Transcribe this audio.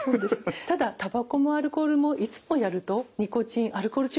ただたばこもアルコールもいつもやるとニコチンアルコール中毒になりますね。